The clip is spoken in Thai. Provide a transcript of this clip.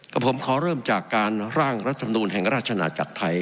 ผมขอเริ่มจากการร่างรัฐมนูลแห่งราชนาจักรไทย